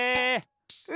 え！